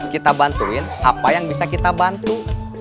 kita bantuin apa yang bisa kita bantu